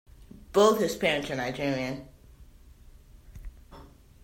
Both his parents are Nigerian.